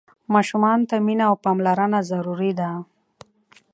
ماشومانو ته مينه او پاملرنه ضروري ده.